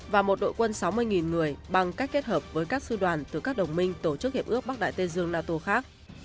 và một đội quân sáu mươi người bằng cách kết hợp với các sư đoàn từ các đồng minh tổ chức hiệp ước bắc đại tây dương nato khác